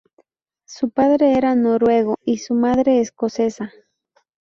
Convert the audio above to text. Su padre era noruego y su madre, escocesa.